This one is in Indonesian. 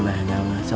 mama itu anakku